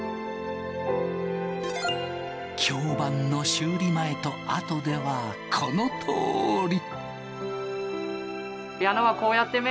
響板の修理前と後ではこのとおり。